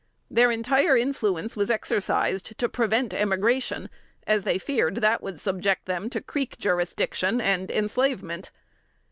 Their entire influence was exercised to prevent emigration, as they feared that would subject them to Creek jurisdiction and enslavement.